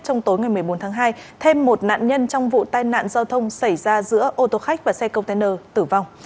trong tối ngày một mươi bốn tháng hai thêm một nạn nhân trong vụ tai nạn giao thông xảy ra giữa ô tô khách và xe container tử vong